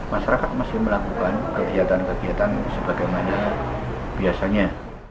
masyarakat masih melakukan kegiatan kegiatan sebagaimana biasanya